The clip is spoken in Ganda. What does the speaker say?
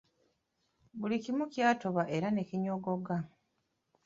Buli kimu kyatoba era ne kinyogoga.